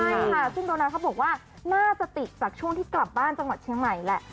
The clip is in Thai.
ใช่ค่ะซึ่งโดนัทเขาบอกว่าน่าจะติดจากช่วงที่กลับบ้านจังหวัดเชียงใหม่แหละ